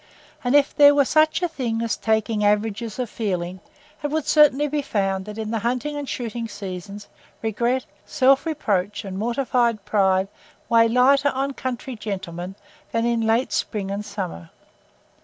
And if there were such a thing as taking averages of feeling, it would certainly be found that in the hunting and shooting seasons regret, self reproach, and mortified pride weigh lighter on country gentlemen than in late spring and summer.